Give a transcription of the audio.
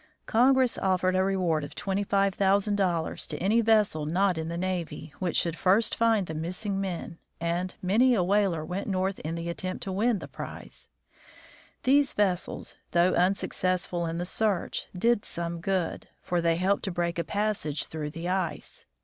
Congress offered a reward of $25,000 to any vessel not in the navy, which should first find the missing men, and many a whaler went north in the attempt to win the prize. These vessels, though unsuccessful in the search, did some good, for they helped to break a passage through the ice.